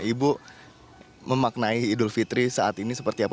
ibu memaknai idul fitri saat ini seperti apa